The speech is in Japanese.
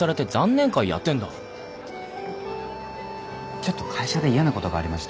ちょっと会社で嫌な事がありまして。